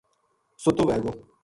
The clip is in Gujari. سُتو وھے گو